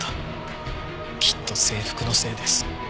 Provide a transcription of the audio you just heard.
きっと制服のせいです。